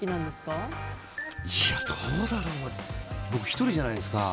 僕、１人じゃないですか。